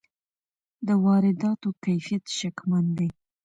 د وارداتو کیفیت شکمن دی.